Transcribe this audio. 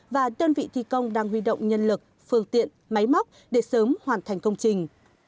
và đơn vị thi công đang huy động nhân lực phương tiện máy móc để sớm hoàn thành công trình